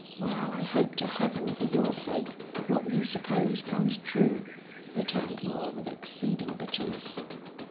"Well, I hope to Heaven for your sake what you suppose comes true," returned Moore, with exceeding bitterness.